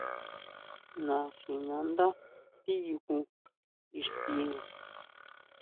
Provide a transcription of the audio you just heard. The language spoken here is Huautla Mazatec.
Naxinándá tiyuju ixtiná.